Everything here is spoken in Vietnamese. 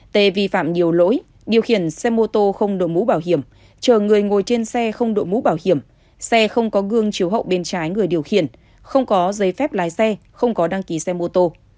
t vi phạm nhiều lỗi điều khiển xe mô tô không đổi mũ bảo hiểm chờ người ngồi trên xe không đội mũ bảo hiểm xe không có gương chiếu hậu bên trái người điều khiển không có giấy phép lái xe không có đăng ký xe mô tô